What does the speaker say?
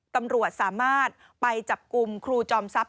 ตำรวจสามารถไปจับกลุ่มครูจอมทรัพย